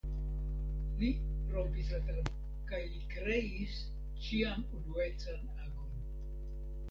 Li rompis la tradicion kaj li kreis ĉiam unuecan agon.